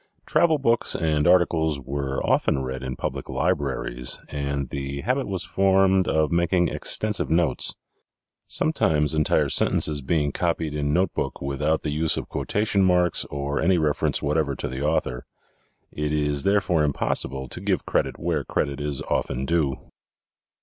Travel books and articles were often read in public libraries and the habit was formed of making extensive notes, sometimes entire sentences being copied in notebook without the use of quotation marks or any reference whatever to the author. It is therefore impossible to give credit where credit is often due.